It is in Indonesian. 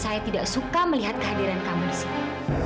saya tidak suka melihat kehadiran kamu di sini